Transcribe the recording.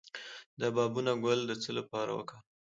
د بابونه ګل د څه لپاره وکاروم؟